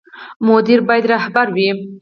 مدیر باید رهبر وي